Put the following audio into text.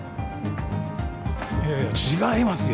いやいや違いますよ